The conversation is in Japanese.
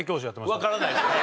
わからないですね。